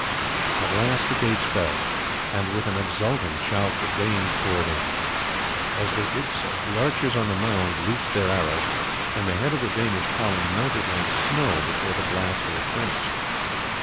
At last the gates fell, and with an exulting shout the Danes poured in. As they did so the archers on the mound loosed their arrows, and the head of the Danish column melted like snow before the blast of a furnace.